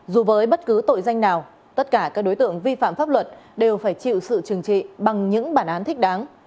dù với bất cứ tội danh nào tất cả các đối tượng vi phạm pháp luật đều phải chịu sự trừng trị bằng những bản án thích đáng